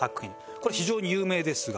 これ非常に有名ですが。